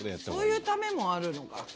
そういうためもあるのか。